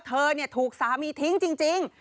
เธอถูกสามีทิ้งจริง